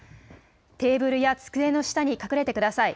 テーブルや机の下に隠れてください。